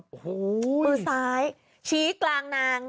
โอ้โหมือซ้ายชี้กลางนาง